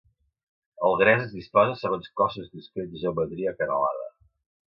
El gres es disposa segons cossos discrets de geometria acanalada.